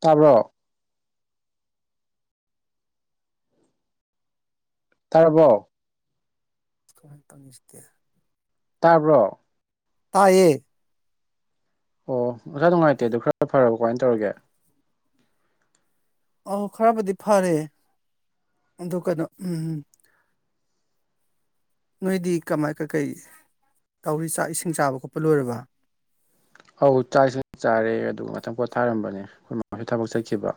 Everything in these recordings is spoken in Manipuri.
ꯇꯥꯕ꯭ꯔꯣ꯫ ꯇꯥꯔꯕꯣ꯫ ꯀꯃꯥꯏ ꯇꯧꯅꯤ ꯁꯤꯗꯤ꯫ ꯇꯥꯕ꯭ꯔꯣ꯫ ꯇꯥꯏꯌꯦ꯫ ꯑꯣ ꯃꯁꯥ ꯅꯨꯡꯉꯥꯏꯇꯦ ꯑꯗꯨ ꯈꯔ ꯐꯔꯕꯣ ꯀꯃꯥꯏꯅ ꯇꯧꯔꯒꯦ꯫ ꯑꯧ ꯈꯔꯕꯨꯗꯤ ꯐꯔꯦ ꯑꯗꯨ ꯀꯩꯅꯣ ꯎꯝ꯫ ꯅꯣꯏꯗꯤ ꯀꯃꯥꯏ ꯀꯩꯀꯩ ꯇꯧꯔꯤ ꯆꯥꯛ ꯏꯁꯤꯡ ꯆꯥꯕ ꯈꯣꯠꯄ ꯂꯣꯏꯔꯕ꯫ ꯑꯧ ꯆꯥꯛꯏꯁꯤꯡ ꯆꯥꯔꯦ ꯑꯗꯨ ꯉꯊꯪ ꯄꯣꯠ ꯊꯥꯔꯝꯕꯅꯦ ꯑꯩꯈꯣꯏ ꯃꯥꯁꯨ ꯊꯕꯛ ꯆꯠꯈꯤꯕ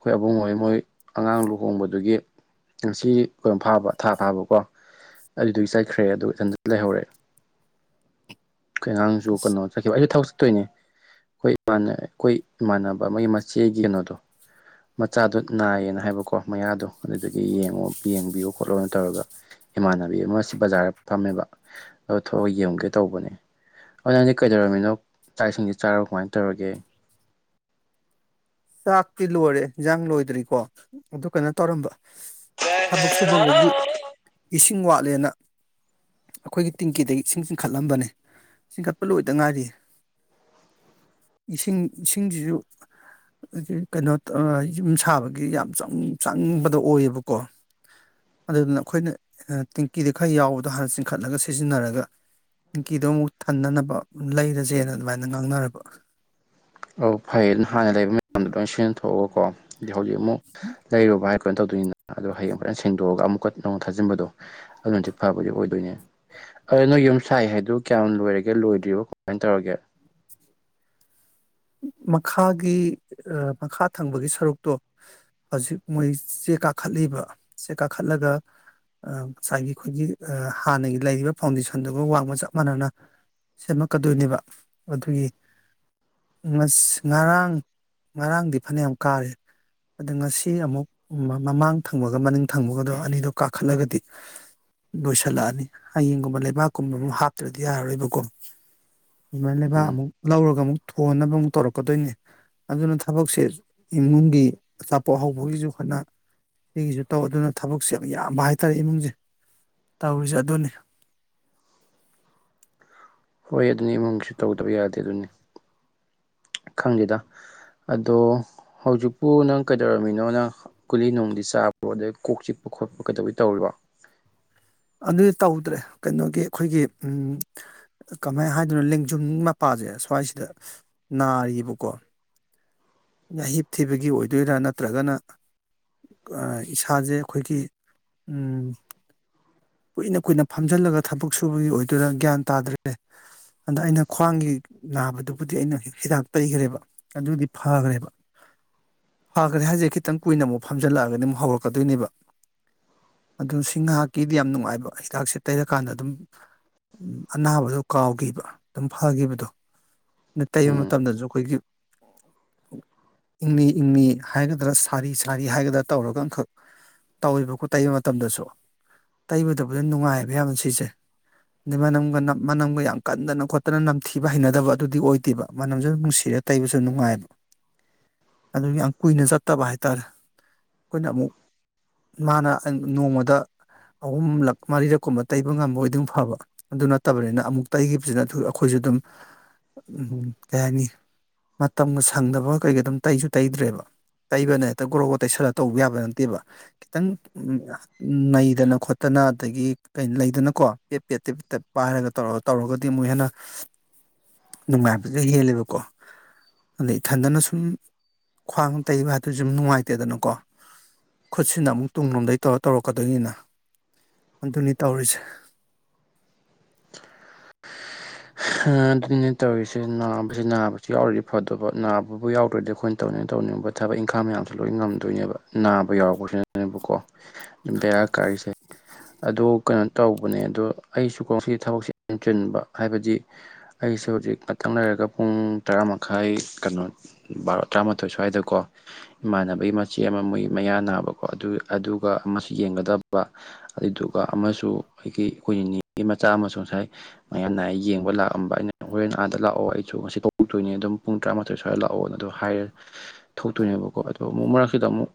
ꯑꯩꯈꯣꯏ ꯑꯕꯨꯡ ꯍꯣꯏ ꯃꯣꯏ ꯑꯉꯥꯡ ꯂꯨꯍꯣꯡꯕꯗꯨꯒꯤ ꯉꯁꯤ [unintelligible] ꯐꯥꯕ ꯊꯥ ꯊꯥꯕꯀꯣ ꯑꯗꯨꯗꯨꯒꯤ ꯆꯠꯈ꯭ꯔꯦ ꯑꯗꯨꯒ ꯏꯊꯟ ꯂꯩꯍꯧꯔꯑꯦ ꯑꯈꯣꯏ ꯉꯥꯡꯁꯨ ꯀꯩꯅꯣ ꯑꯩꯗꯨ ꯊꯥꯕꯠ ꯆꯠꯇꯣꯏꯅꯦ ꯑꯩꯈꯣꯏꯥꯟ ꯑꯩꯈꯣꯏ ꯏꯃꯥꯟꯅꯕ ꯑꯃꯒꯤ ꯃꯆꯦꯒꯤ ꯀꯩꯅꯣꯗꯣ ꯃꯆꯥꯗꯨ ꯅꯥꯏꯌꯦꯅ ꯍꯥꯏꯕꯀꯣ ꯃꯌꯥꯗꯣ ꯑꯗꯨꯗꯒꯤ ꯌꯦꯡꯉꯣ ꯌꯦꯡꯕꯤꯌꯣ ꯈꯣꯠꯂꯣꯅ ꯇꯧꯔꯒ꯫ ꯏꯃꯥꯟꯅꯕꯤ ꯑꯃꯁꯤ ꯕꯖꯥꯔꯗ ꯐꯝꯃꯦꯕ ꯑ ꯊꯣꯛꯑꯒ ꯌꯦꯡꯒꯦ ꯇꯧꯕꯅꯦ ꯑꯗꯨꯅꯖꯤꯛ ꯀꯩꯗꯧꯔꯝꯃꯤꯅꯣ ꯆꯥꯛ ꯏꯁꯤꯡꯗꯤ ꯆꯥꯔꯕꯣ ꯀꯃꯥꯏꯅ ꯇꯧꯔꯒꯦ꯫ ꯆꯥꯛꯇꯤ ꯂꯣꯏꯔꯦ ꯏꯟꯖꯥꯡ ꯂꯣꯏꯗ꯭ꯔꯤꯀꯣ ꯑꯗꯨ ꯀꯩꯅꯣ ꯇꯧꯔꯝꯕ ꯊꯕꯛ ꯁꯨꯕꯒꯩꯒꯤ ꯏꯁꯤꯡ ꯋꯥꯠꯂꯦꯅ꯫ ꯑꯩꯈꯣꯏꯒꯤ ꯇꯤꯡꯀꯤꯗꯒꯤ ꯏꯁꯤꯡ ꯆꯤꯡꯈꯠꯂꯝꯕꯅꯦ ꯆꯤꯡꯈꯠꯄ ꯂꯣꯏꯗꯉꯥꯏꯔꯤꯌꯦ꯫ ꯏꯁꯤꯡ ꯏꯁꯤꯡꯁꯤꯁꯨ ꯑꯗꯤ ꯀꯩꯅꯣ ꯌꯨꯝ ꯁꯥꯕꯒꯤ ꯌꯥꯝ ꯆꯪ ꯆꯪꯕꯗ ꯑꯣꯏꯌꯦꯕꯀꯣ꯫ ꯑꯗꯨꯗꯨꯅ ꯑꯩꯈꯣꯏꯅ ꯇꯦꯡꯀꯤꯗ ꯈꯔ ꯌꯥꯎꯕꯗꯣ ꯍꯥꯟꯅ ꯆꯤꯡꯈꯠꯂꯒ ꯁꯤꯖꯤꯟꯅꯔꯒ꯫ ꯇꯤꯡꯀꯤꯗꯣ ꯑꯃꯨꯛ ꯊꯟꯅꯅꯕ ꯂꯩꯔꯁꯦꯅ ꯑꯗꯨꯃꯥꯏꯅ ꯉꯥꯡꯅꯔꯕ꯫ ꯑꯣ ꯐꯩ ꯌꯦ ꯍꯥꯟꯅ ꯂꯩꯕ ꯃꯌꯥꯝꯗꯣ ꯂꯣꯏ ꯁꯤꯖꯤꯅ ꯊꯣꯛꯣꯛꯑꯒꯀꯣ꯫ ꯍꯧꯖꯤꯛ ꯑꯃꯨꯛ ꯂꯩꯔꯨꯕ ꯍꯥꯏ ꯀꯣ ꯇꯧꯗꯣꯏꯅꯤꯅ ꯑꯗꯣ ꯍꯌꯦꯡ ꯐꯖꯅ ꯁꯦꯡꯗꯣꯛꯑꯒ ꯑꯃꯨꯛꯀ ꯅꯧ ꯊꯥꯖꯤꯟꯕꯗꯣ ꯑꯗꯨꯅꯗꯤ ꯐꯕ ꯑꯣꯏꯗꯣꯏꯅꯦ꯫ ꯑꯗꯣ ꯅꯣꯏ ꯌꯨꯝ ꯁꯥꯏ ꯍꯥꯏꯗꯨ ꯀꯌꯥꯝ ꯂꯣꯏꯔꯒꯦ ꯂꯣꯏꯗ꯭ꯔꯤꯕꯣ ꯀꯃꯥꯏꯅ ꯇꯧꯔꯒꯦ꯫ ꯃꯈꯥꯒꯤ ꯃꯈꯥ ꯊꯪꯕꯒꯤ ꯁꯔꯨꯛꯇꯣ꯫ ꯍꯧꯖꯤꯛ ꯃꯣꯏ ꯆꯦ ꯀꯥꯈꯠꯂꯤꯕ ꯆꯦ ꯀꯥꯈꯠꯂꯒ꯫ ꯉꯁꯥꯏꯒꯤ ꯑꯩꯈꯣꯏꯒꯤ ꯍꯥꯟꯅꯒꯤ ꯂꯩꯔꯤꯕ ꯐꯥꯎꯟꯗꯦꯁꯟꯗꯨꯒ ꯋꯥꯡꯃ ꯆꯞ ꯃꯥꯟꯅꯅ꯫ ꯁꯦꯝꯃꯛꯀꯗꯣꯏꯅꯦꯕ ꯑꯗꯨꯒꯤ ꯉꯁ ꯉꯔꯥꯡ ꯉꯔꯥꯡꯗꯤ ꯐꯅꯌꯥꯝ ꯀꯥꯔꯦ꯫ ꯑꯗ ꯉꯁꯤ ꯑꯃꯨꯛ ꯃꯃꯥꯡ ꯊꯪꯕꯒ ꯃꯅꯤꯡ ꯊꯪꯕꯒꯗꯣ ꯑꯅꯤꯗꯣ ꯀꯥꯈꯠꯂꯒꯗꯤ꯫ ꯂꯣꯏꯁꯤꯜꯂꯛꯑꯅꯤ ꯍꯌꯦꯡꯒꯨꯝꯕ ꯂꯩꯕꯥꯛꯀꯨꯝꯕ ꯑꯃ ꯍꯥꯞꯇ꯭ꯔꯗꯤ ꯌꯥꯔꯔꯣꯏꯕꯀꯣ꯫ ꯑꯗꯨꯃꯥꯏ ꯂꯩꯕꯥꯛ ꯎꯝ ꯑꯃꯨꯛ ꯂꯧꯔꯒ ꯑꯃꯨꯛ ꯊꯣꯟꯅꯕ ꯑꯃꯨꯛ ꯇꯧꯔꯛꯀꯗꯣꯏꯅꯦ꯫ ꯑꯗꯨꯅ ꯊꯕꯛꯁꯦ ꯏꯃꯨꯡꯒꯤ ꯑꯆꯥꯄꯣꯠ ꯍꯧꯕꯒꯤꯁꯨ ꯈꯥꯠꯅ ꯁꯤꯒꯤꯁꯨ ꯇꯧ ꯑꯗꯨꯅ ꯊꯕꯛꯁꯦ ꯌꯥꯝ ꯌꯥꯝꯕ ꯍꯥꯏꯇꯥꯔꯦ ꯏꯃꯨꯡꯁꯦ ꯇꯧꯔꯤꯁꯦ ꯑꯗꯨꯅꯤ꯫ ꯍꯣꯏ ꯑꯗꯨꯅꯤ ꯏꯃꯨꯡꯁꯨ ꯇꯧꯗꯕ ꯌꯥꯗꯦ ꯑꯗꯨꯅꯤ ꯈꯪꯗꯦꯗ꯫ ꯑꯗꯣ ꯍꯧꯖꯤꯛꯄꯨ ꯅꯪ ꯀꯩꯗꯧꯔꯝꯃꯤꯅꯣ ꯅꯪ꯫ ꯀꯨꯂꯤ ꯅꯨꯡꯗꯤ ꯆꯥꯕ꯭ꯔꯣ ꯑꯗꯩ ꯀꯣꯛ ꯆꯤꯛꯄ ꯈꯣꯠꯄ ꯀꯩꯗꯧꯋꯤ ꯇꯧꯔꯤꯕꯣ꯫ ꯑꯗꯨꯗꯤ ꯇꯧꯗ꯭ꯔꯦ ꯀꯩꯅꯣꯒꯤ ꯑꯩꯈꯣꯏꯒꯤ ꯎꯝ꯫ ꯀꯃꯥꯏꯅ ꯍꯥꯏꯗꯣꯏꯅꯣ ꯂꯦꯡꯖꯨꯝ ꯃꯄꯥꯁꯦ ꯁ꯭ꯋꯥꯏꯁꯤꯗ ꯅꯥꯔꯤꯌ‌ꯦꯕꯀꯣ ꯫ ꯌꯥꯍꯤꯞ ꯊꯤꯕꯒꯤ ꯑꯣꯏꯗꯣꯏꯔꯥ ꯅꯠꯇ꯭ꯔꯒꯅ ꯑ ꯏꯁꯥꯖꯦ ꯑꯩꯈꯣꯏꯒꯤ ꯎꯝ ꯀꯨꯏꯅ ꯀꯨꯏꯅ ꯐꯝꯖꯤꯜꯂꯒ ꯊꯕꯛ ꯁꯨꯕꯒꯤ ꯑꯣꯏꯗꯣꯢꯔ ꯒ꯭ꯌꯥꯟ ꯇꯥꯗ꯭ꯔꯦ ꯫ ꯑꯗ ꯑꯩꯅ ꯈ꯭ꯋꯥꯡꯒꯤ ꯅꯥꯕꯗꯨꯕꯨꯗꯤ ꯑꯩꯅ ꯍꯤꯗꯥꯛ ꯇꯩꯈꯒ꯭ꯔꯦꯕ ꯫ ꯑꯗꯨꯗꯤ ꯐꯒ꯭ꯔꯦꯕ ꯫ ꯐꯈꯒ꯭ꯔꯦ ꯍꯥꯏꯖꯦ ꯈꯤꯇꯪ ꯀꯨꯏꯅ ꯥꯃꯨꯛ ꯐꯝꯖꯜꯂꯒꯅꯤ ꯑꯃꯨꯛ ꯍꯧꯔꯛꯀꯗꯣꯏꯅꯦꯕ ꯫ ꯑꯗꯨ ꯁꯤ ꯉꯥꯏꯍꯥꯛꯀꯤꯗꯤ ꯌꯥꯝ ꯅꯨꯡꯉꯥꯏꯕ ꯍꯤꯗꯥꯛꯁꯦ ꯇꯩꯔꯀꯥꯟꯗ ꯑꯗꯨꯝ ꯑꯅꯥꯕꯗꯨ ꯀꯥꯎꯒꯤꯕ ꯑꯗꯨꯝ ꯐꯒꯤꯕꯗꯨ ꯫ ꯅ ꯇꯩꯕ ꯎꯝ ꯃꯇꯝꯗꯖꯨ ꯑꯩꯈꯣꯏꯒꯤ ꯏꯪꯂꯤ ꯏꯪꯂꯤ ꯍꯥꯏꯒꯗ꯭ꯔꯥ ꯁꯥꯔꯤ ꯁꯥꯔꯤ ꯍꯥꯏꯒꯗ꯭ꯔꯥ ꯇꯧꯔꯒ ꯑꯃꯈꯛ ꯇꯧꯋꯦꯕꯀꯣ ꯇꯩꯕ ꯃꯇꯝꯗꯁꯨ ꯫ ꯇꯩꯕꯗꯕꯗꯤ ꯅꯨꯡꯉꯥꯏꯌ‌ꯦꯕ ꯌꯥꯝꯅ ꯁꯤꯁꯦ ꯫ ꯑꯗꯩ ꯃꯅꯝꯒ ꯃꯅꯝ ꯃꯅꯝꯒ ꯌꯥꯝ ꯀꯟꯗꯅ ꯈꯣꯠꯇꯅ ꯅꯝꯊꯤꯕ ꯍꯩꯅꯗꯕ ꯑꯗꯨꯗꯤ ꯑꯣꯏꯗꯦꯕ ꯃꯅꯝꯖꯨ ꯅꯨꯡꯁꯤꯔꯦ ꯇꯩꯕꯁꯨ ꯅꯨꯡꯉꯥꯏ ꯑꯗꯨꯒꯤ ꯌꯥꯝ ꯀꯨꯏꯅ ꯆꯠꯇꯕ ꯍꯥꯏ ꯇꯥꯔꯦ ꯫ ꯑꯩꯈꯣꯏꯅ ꯑꯃꯨꯛ ꯃꯥꯅ ꯑꯪ ꯅꯣꯡꯃꯗ ꯑꯍꯨꯝꯂꯛ ꯃꯔꯤꯔꯛ ꯀꯨꯝꯕ ꯇꯩꯕ ꯉꯝꯕ ꯑꯣꯏꯗꯤ ꯑꯗꯨꯝ ꯐꯕ ꯫ ꯑꯗꯨ ꯅꯠꯇꯕꯅꯤꯅ ꯑꯃꯨꯛ ꯇꯩꯒꯤꯕꯁꯤꯅ ꯑꯩꯈꯣꯏꯖꯨ ꯗꯨꯝ ꯎꯝ ꯀꯩ ꯍꯥꯏꯅꯤ ꯃꯇꯝꯒ ꯁꯪꯗꯕꯒ ꯀꯩꯒꯥ ꯑꯗꯨꯝ ꯇꯩꯖꯨ ꯇꯩꯗ꯭ꯔꯦꯕ ꯫ ꯇꯩꯕꯅ ꯍꯦꯛꯇ ꯒꯣꯔꯣ ꯒꯣ ꯇꯩꯁꯜꯂꯒ ꯇꯧꯕ ꯌꯥꯕ ꯅꯠꯇꯦꯕ ꯈꯤꯇꯪ ꯅꯩꯗꯅ ꯈꯣꯠ ꯇꯅ ꯑꯗꯒꯤ ꯀꯩꯀꯩ ꯂꯩꯗꯅꯀꯣ ꯄꯦꯞ ꯄꯦꯠ ꯇꯦꯞ ꯄꯥꯏꯔꯒ ꯇꯧꯔ ꯇꯧꯔꯒꯗꯤ ꯑꯃꯨꯛ ꯍꯦꯟꯅ ꯅꯨꯡꯉꯥꯏꯕꯗꯨ ꯍꯦꯜꯂꯦꯕꯀꯣ ꯫ ꯑꯗꯩ ꯏꯊꯟꯗꯅ ꯁꯨꯝ ꯈ꯭ꯋꯥꯡ ꯇꯩꯕ ꯍꯥꯢꯕꯗꯨꯁꯨ ꯃꯨꯛ ꯅꯨꯡꯉꯥꯏꯇꯦꯗꯅꯀꯣ ꯫ ꯈꯨꯠꯁꯤꯅ ꯑꯃꯨꯛ ꯇꯨꯡꯂꯣꯝꯗꯩ ꯇꯧꯔ ꯇꯧꯔꯛꯀꯗꯣꯏꯅꯤꯅ ꯫ ꯑꯗꯨꯅꯤ ꯇꯧꯔꯤꯁꯦ ꯫ ꯍꯥ ꯑꯗꯨꯅꯤꯅꯦ ꯇꯧꯔꯤꯁꯦ ꯅꯥꯕꯁꯤ ꯅꯥꯕꯁꯤ ꯌꯥꯎꯔꯗꯤ ꯐꯗ‌ꯣꯕ ꯅꯥꯕꯕꯨ ꯌꯥꯎꯗ꯭ꯔꯗꯤ ꯑꯩꯈꯣꯏꯅ ꯇꯧꯅꯤꯡꯅ ꯇꯧꯅꯤꯡꯕ ꯊꯕꯛ ꯏꯪꯈꯥꯡ ꯃꯌꯥꯝꯁꯨ ꯂꯣꯏ ꯉꯝꯗꯣꯏꯅꯦꯕ ꯅꯥꯕ ꯌꯥꯎꯔꯛꯄꯁꯤꯅꯦꯕꯀꯣ ꯑꯗꯨꯝ ꯕꯦꯔꯥ ꯀꯥꯔꯤꯁꯦ ꯫ ꯑꯗꯨ ꯀꯩꯅꯣ ꯇꯧꯕꯅꯦ ꯑꯗꯣ ꯑꯩꯁꯨ ꯀꯣ ꯉꯁꯤ ꯊꯕꯛꯁꯦ ꯌꯝ ꯆꯤꯟꯕ ꯍꯥꯏꯕꯗꯤ ꯑꯩꯁꯨ ꯍꯧꯖꯤꯛ ꯉꯥꯛꯇꯪ ꯂꯩꯔꯒ ꯄꯨꯡ ꯇꯔꯥ ꯃꯈꯥꯏ ꯀꯩꯅꯣ ꯚꯔꯣ ꯇꯔꯥꯃꯥꯊꯣꯏ ꯁ꯭ꯋꯥꯏꯗꯀꯣ ꯏꯃꯥꯟꯅꯕꯒꯤ ꯃꯆꯦ ꯑꯃ ꯃꯣꯏ ꯃꯌꯥ ꯅꯥꯕꯀꯣ ꯑꯗꯨ ꯑꯗꯨꯒ ꯑꯃꯁꯨ ꯌꯦꯡꯒꯗꯕ ꯑꯗꯨꯏꯗꯨꯒ ꯑꯃꯁꯨ ꯈ‌ꯣꯏꯒꯤ ꯑꯩꯈꯣꯏ ꯅꯤꯅ‌ꯦꯒꯤ ꯃꯆꯥ ꯑꯃꯁꯨ ꯉꯁꯥꯏ ꯃꯌꯥ ꯅꯥꯢ ꯌꯦꯡꯕ ꯂꯥꯛꯑꯝꯕ ꯑꯩꯅ ꯍꯣꯔꯦꯟ ꯑꯥꯗ ꯂꯥꯛꯑꯣ ꯑꯩꯁꯨ ꯉꯁꯤ ꯊ‌ꯣꯔꯛꯇꯣꯏꯅꯤ ꯑꯗꯨꯝ ꯄꯨꯡ ꯨꯇꯔꯥꯃꯥꯊꯣꯏ ꯁ꯭ꯋꯥꯏꯗ ꯂꯥꯛꯑꯣꯅ ꯑꯗꯣ ꯍꯥꯏꯔꯦ ꯊꯣꯛꯇꯣꯏꯅꯦꯕꯀꯣ ꯑꯗꯣ ꯑꯃꯨꯛ ꯃꯔꯛꯁꯤꯗ ꯑꯃꯨꯛ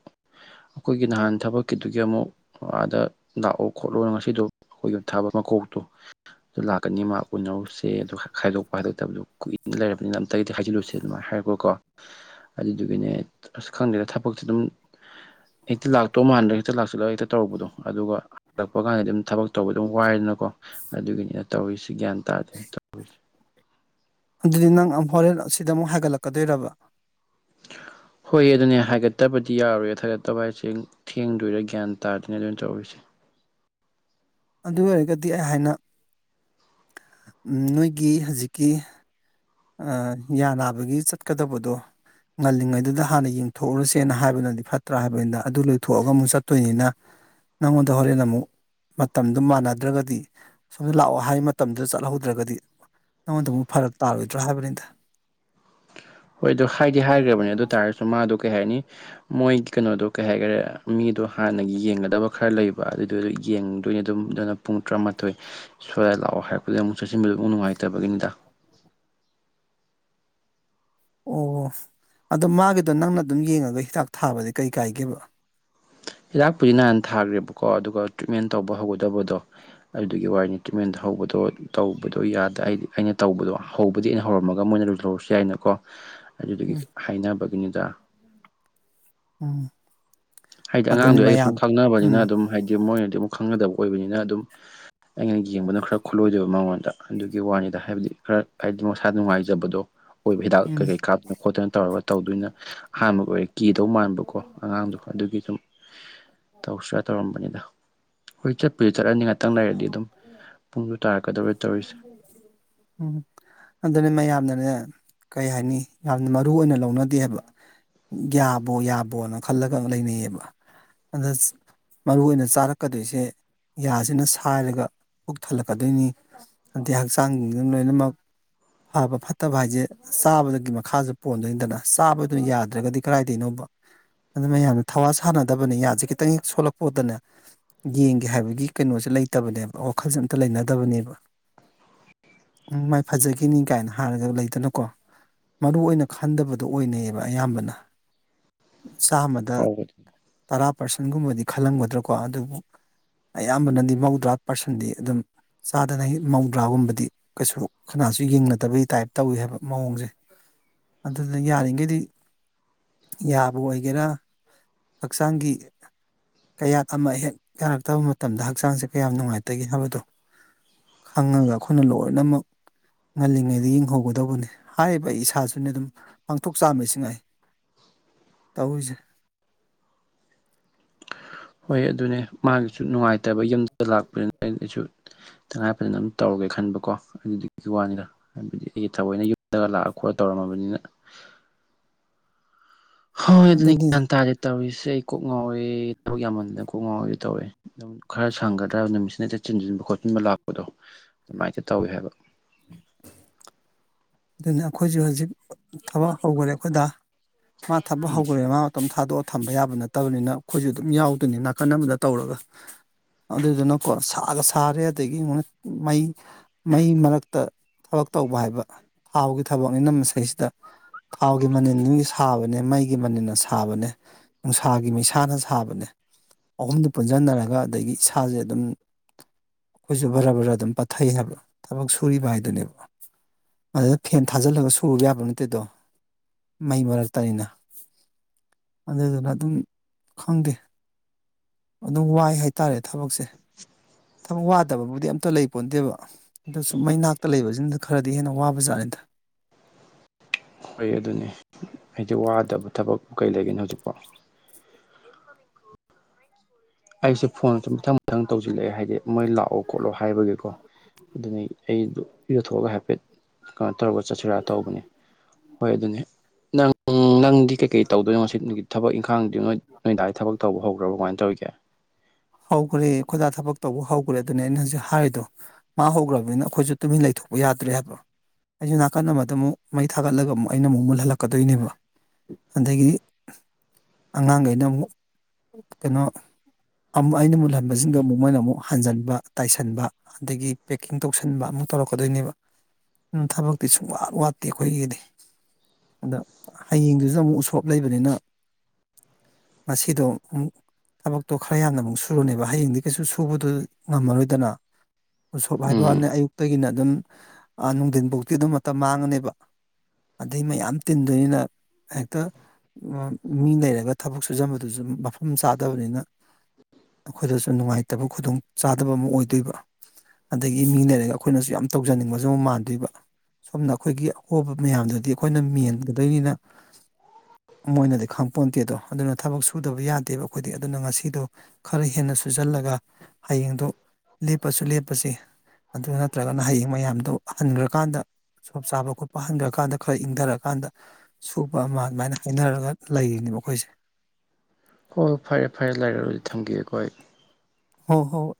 ꯑꯩꯈꯣꯏꯒꯤ ꯅꯍꯥꯟ ꯊꯕꯛꯀꯤꯗꯨꯒꯤ ꯑꯃꯨꯛ ꯑꯥꯗ ꯂꯥꯛꯑꯣ ꯈꯣꯠꯂꯣꯅ ꯉꯁꯤꯗꯣ ꯑꯩꯈꯣꯏꯒꯤ ꯊꯥꯕ ꯃꯀꯣꯛꯇꯣ ꯑꯗꯨ ꯂꯥꯛꯀꯅꯤ ꯃꯥ ꯎꯅꯧꯁꯦ ꯑꯗꯨ ꯈꯥꯏꯗꯣꯛꯄ ꯍꯥꯏꯗꯣꯛꯇꯕꯗꯣ ꯀꯨꯏꯅ ꯂꯩꯔꯕꯅꯤꯅ ꯇꯒꯤꯗꯤ ꯍꯥꯏꯖꯤꯜꯂꯨꯁꯦ ꯑꯗꯨꯃꯥꯏ ꯍꯥꯏꯔꯛꯄꯀꯣ ꯑꯗꯨꯗꯨꯒꯤꯅꯦ ꯑꯁ ꯈꯪꯗꯦꯗ ꯊꯕꯛꯁꯤ ꯑꯗꯨꯝ ꯍꯦꯛꯇ ꯂꯥꯛꯇꯧ ꯃꯥꯟꯗ꯭ꯔꯥꯒ ꯍꯦꯛꯇ ꯂꯥꯛꯁꯤꯜꯂꯒ ꯍꯦꯛꯇ ꯇꯧꯔꯨꯕꯗꯣ ꯑꯗꯨꯒ ꯂꯛꯄ ꯀꯥꯟꯗꯗꯤ ꯑꯗꯨꯝ ꯊꯕꯛ ꯇꯧꯕꯗꯨꯝ ꯋꯥꯏꯗꯅꯀꯣ ꯑꯗꯨꯒꯤꯅꯤꯗ ꯇꯧꯔꯤꯁꯤ ꯒ꯭ꯌꯥꯟ ꯇꯥꯗꯦ ꯇꯧ ꯑꯗꯨꯗꯤ ꯅꯪ ꯑꯝ ꯍꯣꯔꯦꯟ ꯑꯁꯤꯗ ꯑꯃꯨꯛ ꯍꯥꯏꯒꯠꯂꯛꯀꯗꯣꯏꯔꯕ? ꯍꯣꯏ ꯑꯗꯨꯅꯦ ꯍꯥꯏꯒꯠꯇꯕꯗꯤ ꯌꯥꯔꯣꯏ ꯍꯥꯏꯒꯠꯇꯕ ꯍꯥꯏꯁꯦ ꯊꯦꯡꯗꯣꯏꯔꯥ ꯒ꯭ꯌꯥꯟ ꯇꯥꯗꯅꯦ ꯑꯗꯨꯅ ꯇꯧꯔꯤꯁꯦ ꯑꯗꯨ ꯑꯣꯏꯔꯒꯗꯤ ꯑꯩ ꯍꯥꯏꯅ ꯅꯣꯏꯒꯤ ꯍꯧꯖꯤꯛꯀꯤ ꯑ ꯌꯥ ꯅꯕꯒꯤ ꯆꯠꯀꯗꯕꯗꯣ ꯉꯜꯂꯤꯉꯩꯗꯨꯗ ꯍꯥꯟꯅ ꯌꯦꯡꯊꯣꯛꯎꯨꯔꯁꯦꯅ ꯍꯥꯏꯕꯅꯗꯤ ꯐꯠꯇ꯭ꯔꯥ ꯍꯥꯏꯕꯅꯤꯗ ꯑꯗꯨ ꯂꯣꯏꯊꯣꯛꯑꯒ ꯑꯃꯨꯛ ꯆꯠꯇꯣꯏꯅꯤꯅ ꯅꯪꯉꯣꯟꯗ ꯍꯣꯔꯦꯟ ꯑꯃꯨꯛ ꯃꯇꯝꯗꯨ ꯃꯥꯟꯅꯗ꯭ꯔꯒꯗꯤ ꯁꯣꯝꯗ ꯂꯥꯛꯑꯣ ꯍꯥꯏ ꯃꯇꯝꯗꯨꯗ ꯆꯠꯍꯧꯗ꯭ꯔꯒꯗꯤ ꯅꯉꯣꯟꯗꯃꯨꯛ ꯐꯔꯛ ꯇꯥꯔꯣꯏꯗ꯭ꯔꯥ ꯍꯥꯏꯕꯅꯤꯗ ꯍꯣꯏ ꯑꯗꯨ ꯍꯥꯏꯗꯤ ꯍꯥꯏꯈ꯭ꯔꯕꯅꯦ ꯑꯗꯨ ꯇꯥꯔꯁꯨ ꯃꯥꯗꯣ ꯀꯩ ꯍꯥꯏꯅꯤ ꯃꯣꯏ ꯀꯩꯅꯣꯗꯣ ꯀꯩ ꯍꯥꯏꯈꯔꯦ ꯃꯤꯗꯣ ꯍꯥꯟꯅꯒꯤ ꯌꯦꯡꯒꯗꯕ ꯈꯔ ꯂꯩꯕ ꯑꯗꯨ ꯑꯗꯨꯗ ꯌꯦꯡꯗꯣꯏꯅꯤ ꯑꯗꯨꯝ ꯑꯗꯨꯅ ꯄꯨꯡ ꯇꯔꯥꯃꯥꯊꯣꯏ ꯁꯣꯔ꯭ꯠ ꯂꯥꯛꯑꯣ ꯍꯥꯏꯔꯛꯄꯅꯦꯅ ꯑꯃꯨꯛ ꯆꯠꯁꯟꯕꯗꯣ ꯑꯃꯥꯎ ꯅꯨꯡꯉꯥꯏꯇꯕꯒꯤꯅꯤꯗ ꯑꯣ ꯑꯗꯣ ꯃꯥꯒꯤꯗꯣ ꯅꯪꯅ ꯑꯗꯨꯝ ꯌꯦꯡꯉꯒ ꯍꯤꯗꯥꯛ ꯊꯥꯕꯗꯤ ꯀꯩ ꯀꯥꯏꯒꯦꯕ ꯍꯤꯗꯥꯛꯄꯨꯗꯤ ꯅꯍꯥꯟ ꯊꯥꯈ꯭ꯔꯦꯕꯀꯣ ꯑꯗꯨꯒ ꯇ꯭ꯔꯤꯠꯃꯦꯟ ꯇꯧꯕ ꯍꯧꯒꯗꯕꯗꯣ ꯑꯗꯨꯒꯤ ꯋꯥꯔꯤꯅꯤ ꯇ꯭ꯔꯤꯠꯃꯦꯟ ꯍꯧꯕꯗꯣ ꯇꯧꯕꯗꯣ ꯌꯥꯗꯦ ꯑꯩꯗꯤ ꯑꯩꯅ ꯇꯧꯕꯗꯣ ꯍꯧꯕꯗꯤ ꯑꯩꯅ ꯍꯧꯔꯝꯃꯒ ꯃꯣꯏꯅ ꯂꯣꯏꯍꯧꯔꯥꯁꯨ ꯌꯥꯏꯅꯀꯣ ꯑꯗꯨꯒꯤ ꯎꯝ ꯍꯥꯏꯅꯕꯒꯤꯅꯤꯗ ꯎꯝ ꯍꯥꯏꯗꯤ ꯑꯗꯨꯅꯤ ꯑꯉꯥꯡꯗꯣ ꯑꯩꯒ ꯁꯨꯝ ꯃꯌꯥꯝ ꯈꯪꯅꯕꯅꯤꯅ ꯎꯝ ꯑꯗꯨꯝ ꯍꯥꯏꯗꯤ ꯃꯣꯏꯅꯗꯤ ꯑꯃꯨꯛ ꯈꯪꯅꯗꯕ ꯑꯣꯏꯕꯅꯤꯅ ꯑꯗꯨꯝ ꯑꯩꯅ ꯌꯦꯡꯕꯅ ꯈꯔ ꯈꯨꯠꯂꯣꯏꯗꯦꯕ ꯃꯉꯣꯟꯗ ꯑꯗꯨꯒꯤ ꯋꯥꯅꯤꯗ ꯍꯥꯏꯕꯗꯤ ꯈꯔ ꯍꯥꯏꯗꯤ ꯃꯁꯥ ꯅꯨꯡꯉꯥꯏꯖꯕꯗꯣ ꯑꯣꯏꯕꯥ ꯍꯤꯗꯥꯛ ꯎꯝ ꯀꯩ ꯀꯩ ꯀꯞꯇꯅ ꯈꯣꯠꯇꯅ ꯇꯧꯔꯒ ꯇꯧꯗꯣꯏꯅ ꯑꯍꯥꯟꯕꯒꯥ ꯑꯣꯏꯔꯦ ꯀꯤꯗꯧ ꯃꯥꯟꯕꯀꯣ ꯑꯉꯥꯡꯗꯣ ꯑꯗꯨꯒꯤ ꯁꯨꯝ ꯇꯧꯁꯤꯔꯥ ꯇꯧꯔꯝꯕꯅꯤꯗ ꯍꯣꯏ ꯆꯠꯄꯨꯗꯤ ꯆꯠꯂꯅꯤꯉꯥꯏ ꯉꯛꯇꯪ ꯂꯩꯔꯗꯤ ꯑꯗꯨꯝ ꯄꯨꯡꯁꯨ ꯇꯥꯔꯛꯀꯗꯧꯔꯦ ꯇꯧꯔꯤꯁꯦ ꯎꯝ ꯑꯗꯨꯅꯦ ꯃꯌꯥꯝꯅꯅꯦ ꯀꯩ ꯍꯥꯏꯅꯤ ꯌꯥꯝꯅ ꯃꯔꯨ ꯑꯣꯏꯅ ꯂꯧꯅꯗꯦ ꯍꯥꯏꯕ ꯌꯥꯕꯣ ꯌꯥꯕꯣꯅ ꯈꯜꯂꯒ ꯂꯩꯅꯩꯌꯦꯕ ꯑꯗ ꯃꯔꯨ ꯑꯣꯏꯅ ꯆꯥꯔꯛꯀꯗꯣꯏꯁꯦ ꯌꯥꯁꯤꯅ ꯁꯥꯏꯔꯒ ꯄꯨꯛ ꯊꯜꯂꯛꯀꯗꯣꯏꯅꯤ ꯑꯗꯩ ꯍꯛꯆꯥꯡꯁꯤꯡꯁꯤꯅ ꯂꯣꯏꯅꯃꯛ ꯐꯕ ꯐꯠꯇꯕ ꯍꯥꯏꯁꯦ ꯆꯥꯕꯗꯒꯤ ꯃꯈꯥꯁꯨ ꯄꯣꯟꯗꯣꯏꯅꯤꯗꯅ ꯆꯥꯕꯗꯨꯅ ꯌꯥꯗ꯭ꯔꯒꯗꯤ ꯀꯗꯥꯏꯗꯅꯣꯕ ꯑꯗꯨ ꯃꯌꯥꯝꯅ ꯊꯋꯥ ꯁꯥꯟꯅꯗꯕꯅꯤ ꯌꯥꯁꯦ ꯈꯤꯇꯪ ꯍꯦꯛ ꯁꯣꯜꯂꯛꯄ ꯎꯕꯗꯅꯦ ꯌꯦꯡꯒꯦ ꯍꯥꯏꯕꯒꯤ ꯀꯩꯅꯣꯁꯦ ꯂꯩꯇꯕꯅꯦꯕ ꯋꯥꯈꯜꯁꯦ ꯑꯝꯇ ꯂꯩꯅꯗꯕꯅꯦꯕ ꯎꯝ ꯃꯥꯏ ꯐꯖꯈꯤꯅꯤ ꯀꯥꯏꯅ ꯍꯥꯏꯔꯒ ꯂꯩꯗꯅꯀꯣ ꯃꯔꯨ ꯑꯣꯏꯅ ꯈꯟꯗꯕꯗꯣ ꯑꯣꯏꯅꯩꯌꯦꯕ ꯑꯌꯥꯝꯕꯅ ꯆꯥꯝꯃꯗ ꯍꯧꯕꯗꯤ ꯇꯔꯥ ꯄꯥꯔꯁꯦꯟꯒꯨꯝꯕꯗꯤ ꯈꯜꯂꯝꯒꯗ꯭ꯔꯥꯀꯣ ꯑꯗꯨꯕꯨ ꯑꯌꯥꯝꯕꯅꯗꯤ ꯃꯧꯗ꯭ꯔꯥ ꯄꯥꯔꯁꯟꯗꯤ ꯑꯗꯨꯝ ꯆꯥꯗꯅ ꯃꯧꯗ꯭ꯔꯥꯒꯨꯝꯕꯗꯤ ꯀꯩꯁꯨ ꯀꯅꯥꯁꯨ ꯌꯦꯡꯅꯗꯕꯒꯤ ꯇꯥꯏꯄ ꯇꯧꯋꯦ ꯍꯥꯏꯕ ꯃꯑꯣꯡꯁꯦ ꯑꯗꯨꯅ ꯌꯥꯔꯤꯉꯩꯗꯤ ꯌꯥꯕ ꯑꯣꯏꯒꯦꯔꯥ ꯍꯛꯆꯥꯡꯒꯤ ꯀꯌꯥꯠ ꯑꯃ ꯍꯦꯛ ꯌꯥꯔꯛꯇꯕ ꯃꯇꯝꯗ ꯍꯛꯆꯥꯡꯁꯦ ꯀꯌꯥꯝ ꯅꯨꯡꯉꯥꯏꯇꯒꯦ ꯍꯥꯏꯕꯗꯣ ꯈꯪꯉꯒ ꯑꯩꯈꯣꯏꯅ ꯂꯣꯏꯅꯃꯛ ꯉꯜꯂꯤꯉꯩꯗ ꯌꯦꯡꯍꯧꯒꯗꯧꯕꯅꯤ ꯍꯥꯏꯔꯤꯕ ꯑꯩ ꯏꯁꯥꯁꯨꯅꯦ ꯑꯗꯨꯝ ꯄꯥꯡꯊꯣꯛ ꯆꯥꯝꯃꯤꯁꯤ ꯉꯥꯏ ꯇꯧꯔꯤꯁꯦ ꯍꯣꯏ ꯑꯗꯨꯅꯦ ꯃꯥꯒꯤꯁꯨ ꯅꯨꯡꯉꯥꯏꯇꯕ ꯌꯨꯝꯗ ꯂꯥꯛꯄꯅꯤꯅ ꯑꯩꯅ ꯑꯩꯁꯨ ꯇꯉꯥꯏ ꯐꯗꯅ ꯑꯗꯨꯝ ꯇꯧꯔꯒꯦ ꯈꯟꯕꯀꯣ ꯑꯗꯨꯗꯨꯒꯤ ꯋꯥꯅꯤꯗ ꯍꯥꯏꯕꯗꯤ ꯑꯩꯒꯤ ꯊꯑꯣꯏꯅ ꯌꯨꯝꯗꯒꯥ ꯂꯥꯛꯑ ꯈꯣꯠꯂ ꯇꯧꯔꯝꯃꯕꯅꯤꯅ ꯍꯣꯏ ꯑꯗꯨꯅ ꯑꯗꯨꯅꯤ ꯒ꯭ꯌꯥꯟ ꯇꯥꯗꯦ ꯇꯧꯔꯤꯁꯦ ꯑꯩ ꯀꯣꯛ ꯉꯥꯎꯋꯦ ꯊꯕꯛ ꯌꯥꯝꯃꯟꯗꯅ ꯀꯣꯛ ꯉꯥꯎꯋꯦꯁꯨ ꯇꯧꯋꯦ ꯑꯗꯨꯝ ꯈꯔ ꯁꯪꯒꯗ꯭ꯔꯥꯕ ꯅꯨꯃꯤꯠꯁꯤꯗꯅ ꯍꯦꯛꯇ ꯆꯤꯟꯁꯤꯟꯕ ꯈꯣꯠꯆꯤꯟꯕ ꯂꯥꯛꯄꯗꯣ ꯑꯗꯨꯃꯥꯏꯅ ꯇꯧꯋꯦ ꯍꯥꯏꯕ ꯑꯗꯨꯅ ꯑꯩꯈꯣꯏꯁꯨ ꯍꯧꯖꯤꯛ ꯊꯕꯛ ꯍꯧꯈꯔꯦ ꯑꯩꯈꯣꯏꯗ ꯃꯥ ꯊꯕꯥꯛ ꯎꯝ ꯍꯧꯈꯔꯦ ꯃꯥ ꯃꯇꯣꯝ ꯊꯥꯗꯣꯛꯑꯒ ꯊꯝꯕ ꯌꯥꯕ ꯅꯠꯇꯕꯅꯤꯅ ꯑꯩꯈꯣꯏꯁꯨ ꯑꯗꯨꯝ ꯌꯥꯎꯗꯣꯏꯅꯤ ꯅꯥꯀꯟ ꯑꯃꯗ ꯇꯧꯔꯒ ꯑꯗꯨꯗꯨꯅꯀꯣ ꯁꯥꯒ ꯁꯥꯔꯦ ꯑꯗꯒꯤꯅ ꯃꯩ ꯃꯩ ꯃꯔꯛꯇ ꯊꯕꯛ ꯇꯧꯕ ꯍꯥꯏꯕ ꯊꯥꯎꯕꯒꯤ ꯊꯕꯛꯅꯤꯅ ꯃꯁꯤꯁꯤꯗ ꯊꯥꯎꯒꯤ ꯃꯅꯤꯜ ꯁꯥꯕꯅꯦ ꯃꯩꯒꯤ ꯃꯅꯤꯜꯅ ꯁꯥꯕꯅꯦ ꯅꯨꯡꯁꯥꯒꯤ ꯃꯩꯁꯥꯅ ꯁꯥꯕꯅꯦ ꯑꯍꯨꯝꯗꯨ ꯄꯨꯟꯁꯤꯟꯅꯔꯒ ꯑꯗꯒꯤ ꯏꯁꯥꯁꯦ ꯑꯗꯨꯝ ꯑꯩꯈꯣꯏꯁꯨ ꯕꯔ ꯕꯔ ꯑꯗꯨꯝ ꯄꯠꯊꯩ ꯍꯥꯏꯕ ꯊꯕꯛ ꯁꯨꯔꯤꯕ ꯍꯥꯏꯗꯨꯅꯦꯕ ꯑꯗꯨꯗ ꯐꯦꯟ ꯊꯥꯖꯤꯜꯂꯒ ꯁꯨꯕ ꯌꯥꯕ꯭ꯔꯥ ꯅꯠꯇꯦꯗꯣ ꯃꯩ ꯃꯔꯛꯇꯅꯤꯅ ꯑꯗꯨꯗꯨꯅ ꯑꯗꯨꯝ ꯈꯪꯗꯦ ꯑꯗꯨꯝ ꯋꯥꯏ ꯍꯥꯏꯇꯥꯔꯦ ꯊꯕꯛꯁꯦ ꯊꯕꯛ ꯋꯥꯗꯕꯕꯨꯗꯤ ꯑꯝꯇ ꯂꯩ ꯄꯣꯟꯗꯦꯕ ꯑꯗꯁꯨ ꯃꯩ ꯅꯥꯛꯇ ꯂꯩꯕꯁꯤꯅꯅ ꯈꯔꯗꯤ ꯍꯦꯟꯅ ꯋꯥꯕ ꯖꯥꯠꯅꯤꯗ ꯍꯣꯏ ꯑꯗꯨꯅꯤ ꯑꯩꯗꯤ ꯋꯥꯗꯕ ꯊꯕꯛ ꯀꯩ ꯂꯩꯒꯦꯅꯦ ꯍꯧꯖꯤꯛꯐꯥꯎ ꯑꯩꯁꯦ ꯐꯣꯟ ꯃꯊꯪ ꯃꯊꯪ ꯇꯧꯁꯤꯜꯂꯛꯑꯦ ꯍꯥꯏꯗꯤ ꯃꯣꯏ ꯂꯥꯛꯑꯣ ꯈꯣꯠꯂꯣ ꯍꯥꯏꯕꯒꯤꯀꯣ ꯑꯗꯨꯅ ꯑꯩꯗꯨ ꯌꯨꯊꯣꯛꯑꯒ ꯍꯥꯏꯐꯦꯠ ꯀꯩꯅꯣ ꯇꯧꯔꯒ ꯆꯠꯁꯤꯔꯥ ꯇꯧꯕꯅꯤ ꯍꯣꯏ ꯑꯗꯨꯅꯦ ꯅꯪ ꯅꯪꯗꯤ ꯀꯩꯀꯩ ꯇꯧꯗꯣꯏꯅꯣ ꯉꯁꯤꯒꯤ ꯊꯕꯛ ꯏꯪꯈꯥꯡꯗꯤ ꯅꯣꯏ ꯅꯣꯏꯗꯥꯏꯒꯤ ꯊꯕꯛ ꯇꯧꯕ ꯍꯧꯈ꯭ꯔꯕꯣ ꯀꯃꯥꯏꯅ ꯇꯧꯔꯤꯒꯦ ꯍꯧꯈ꯭ꯔꯦ ꯈꯣꯏꯗꯥ ꯊꯕꯛ ꯇꯧꯕ ꯍꯧꯈ꯭ꯔꯦ ꯑꯗꯨꯅꯦ ꯑꯩꯅ ꯍꯧꯖꯤꯛ ꯍꯥꯏꯔꯤꯗꯣ ꯃꯥ ꯍꯧꯈ꯭ꯔꯕꯅꯤꯅ ꯑꯩꯈꯣꯏꯁꯨ ꯇꯨꯃꯤꯟ ꯂꯩꯊꯣꯛꯄ ꯌꯥꯗ꯭ꯔꯦ ꯍꯥꯏꯕ ꯑꯩꯁꯨ ꯅꯥꯀꯟ ꯑꯃꯗ ꯑꯃꯨꯛ ꯃꯩ ꯊꯥꯒꯠꯂꯒ ꯑꯃꯨꯛ ꯑꯩꯅ ꯑꯃꯨꯛ ꯃꯨꯜꯍꯜꯂꯛꯀꯗꯣꯏꯅꯦꯕ ꯑꯗꯒꯤ ꯑꯉꯥꯡꯈꯩꯅ ꯑꯃꯨꯛ ꯀꯩꯅꯣ ꯑꯃꯨ ꯑꯩꯅ ꯃꯨꯜꯍꯟꯕꯁꯤꯡꯗꯣ ꯑꯃꯨꯛ ꯃꯣꯏꯅ ꯑꯃꯨꯛ ꯍꯟꯖꯤꯟꯕ ꯇꯥꯏꯁꯟꯕ ꯑꯗꯒꯤ ꯄꯦꯛꯀꯤꯡ ꯇꯧꯁꯟꯕ ꯑꯃꯨꯛ ꯇꯧꯔꯛꯀꯗꯣꯏꯅꯦꯕ ꯎꯝ ꯊꯕꯛꯇꯤ ꯁꯨꯡꯋꯥꯠ ꯋꯥꯠꯇꯦ ꯑꯩꯈꯣꯏꯒꯤꯗꯤ ꯑꯗ ꯍꯌꯦꯡꯗꯨꯁꯨ ꯑꯃꯨꯛ ꯎꯁꯣꯞ ꯂꯩꯕꯅꯤꯅ ꯉꯁꯤꯗꯣ ꯑꯃꯨꯛ ꯊꯕꯛꯇꯨ ꯈꯔ ꯌꯥꯝꯅ ꯑꯃꯨꯛ ꯁꯨꯔꯅꯦꯕ ꯍꯌꯦꯡꯗꯤ ꯀꯩꯁꯨ ꯁꯨꯕꯗꯨ ꯉꯝꯃꯔꯣꯏꯗꯅ ꯎꯁꯣꯞ ꯎꯝ ꯍꯥꯏꯕꯅꯦ ꯑꯌꯨꯛꯇꯒꯤꯅ ꯑꯗꯨꯝ ꯅꯨꯡꯊꯤꯟꯐꯧꯇꯤ ꯑꯗꯨꯝ ꯃꯇꯝ ꯃꯥꯡꯉꯅꯦꯕ ꯑꯗꯩ ꯃꯌꯥꯝ ꯇꯤꯟꯗꯣꯏꯅꯤꯅ ꯍꯦꯛꯇ ꯃꯤ ꯂꯩꯔꯒ ꯊꯕꯛ ꯁꯨꯖꯟꯕꯗꯨꯁꯨ ꯃꯐꯝ ꯆꯥꯗꯕꯅꯤꯅ ꯑꯩꯈꯣꯏꯗꯁꯨ ꯅꯨꯡꯉꯥꯏꯇꯕ ꯈꯨꯗꯣꯡ ꯆꯥꯗꯕ ꯑꯃ ꯑꯣꯏꯗꯣꯏꯕ ꯑꯗꯒꯤ ꯃꯤ ꯂꯩꯔꯒ ꯑꯩꯈꯣꯏꯅꯁꯨ ꯌꯥꯝ ꯇꯧꯖꯅꯤꯡꯕꯁꯨ ꯑꯃ ꯃꯥꯟꯗꯣꯏꯕ ꯑꯨꯝꯅ ꯑꯩꯈꯣꯏꯒꯤ ꯑꯍꯣꯕ ꯃꯌꯥꯝꯗꯨꯗꯤ ꯑꯩꯈꯣꯏꯅ ꯃꯦꯟꯒꯗꯣꯏꯅꯤꯅ ꯃꯣꯏꯅꯗꯤ ꯈꯪ ꯄꯣꯟꯗꯦꯗꯣ ꯑꯗꯨꯅ ꯊꯕꯛ ꯁꯨꯗꯕ ꯌꯥꯗꯦꯕ ꯑꯩꯈꯣꯏꯗꯤ ꯑꯗꯨꯅ ꯉꯁꯤ ꯁꯤꯗꯣ ꯈꯔ ꯍꯦꯟꯅ ꯁꯨꯖꯜꯂꯒ ꯍꯌꯦꯡꯗꯨ ꯂꯦꯞꯄꯁꯨ ꯂꯦꯞꯄꯁꯤ ꯑꯗꯨ ꯅꯠꯇ꯭ꯔꯒꯅ ꯍꯌꯦꯡ ꯃꯌꯥꯝꯗꯨ ꯍꯟꯈ꯭ꯔꯀꯥꯟꯗ ꯆꯞ ꯆꯥꯕ ꯈꯣꯠꯄ ꯍꯟꯈ꯭ꯔꯀꯥꯟꯗ ꯈꯔ ꯏꯪꯊꯔꯀꯥꯟꯗ ꯁꯨꯄ ꯑꯃ ꯑꯗꯨꯃꯥꯏꯅ ꯍꯥꯏꯅꯔꯒ ꯂꯩꯔꯤꯅꯦꯕ ꯑꯩꯈꯣꯏꯁꯦ ꯍꯣꯏ ꯍꯣꯏ ꯐꯔꯦ ꯐꯔꯦ ꯂꯩꯔꯣꯗꯨꯗꯤ ꯊꯝꯒꯦ ꯑꯩꯈꯣꯏ ꯍ ꯍꯣ